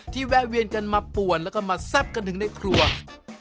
แวะเวียนกันมาป่วนแล้วก็มาแซ่บกันถึงในครัว